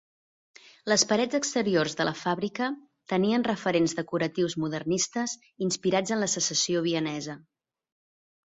Les parets exteriors de la fàbrica tenien referents decoratius modernistes inspirats en la Secessió vienesa.